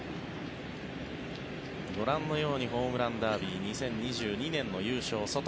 ご覧のようにホームランダービー２０２２年の優勝、ソト。